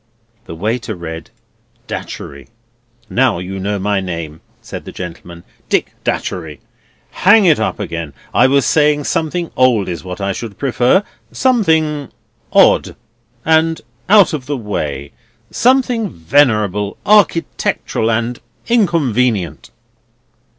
The waiter read: "Datchery." "Now you know my name," said the gentleman; "Dick Datchery. Hang it up again. I was saying something old is what I should prefer, something odd and out of the way; something venerable, architectural, and inconvenient."